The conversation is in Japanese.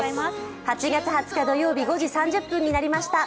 ８月２０日土曜日５時３０分になりました。